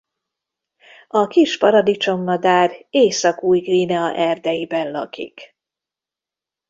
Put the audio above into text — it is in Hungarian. A kis paradicsommadár Észak-Új-Guinea erdeiben lakik.